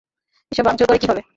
এসব ভাংচুর করে কী হবে?